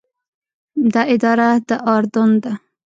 دا اداره د اردن ده.